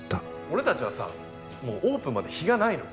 俺たちはさもうオープンまで日がないの。